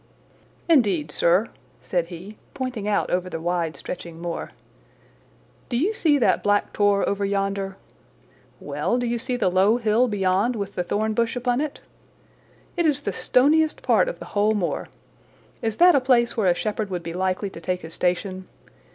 "Indeed, sir!" said he, pointing out over the wide stretching moor. "Do you see that Black Tor over yonder? Well, do you see the low hill beyond with the thornbush upon it? It is the stoniest part of the whole moor. Is that a place where a shepherd would be likely to take his station?